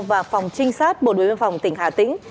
và phòng trinh sát bộ đội biên phòng tỉnh hà tĩnh